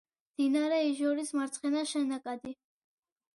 მდინარე იჟორის მარცხენა შენაკადი.